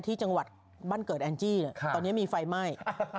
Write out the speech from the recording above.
ที่จังหวัดบ้านเกิดแอนจี้ตอนนี้มีไฟไหม้